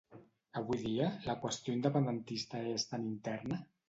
Avui dia, la qüestió independentista és tan interna?